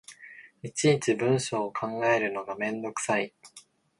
いちいち文章を考えるのがめんどくさい